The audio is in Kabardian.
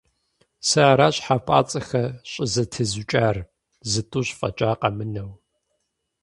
Сэ аращ хьэпӀацӀэхэр щӀызэтезукӀар, зытӀущ фӀэкӀа къэмынэу.